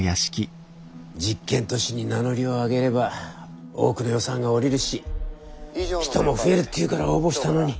実験都市に名乗りを上げれば多くの予算がおりるし人も増えるっていうから応募したのに。